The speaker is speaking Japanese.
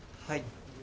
はい。